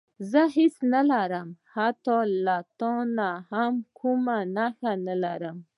زه هېڅ نه لرم حتی له تا نه هم کومه نښه نه لرم.